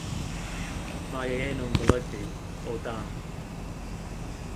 Mae ei enw'n golygu “o dan”.